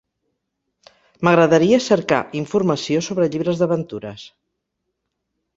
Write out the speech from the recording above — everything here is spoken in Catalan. M'agradaria cercar informació sobre llibres d'aventures.